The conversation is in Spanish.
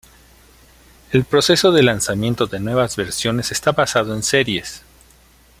El proceso de lanzamiento de nuevas versiones está basado en series.